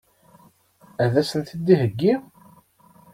Ad sen-t-id-iheggi?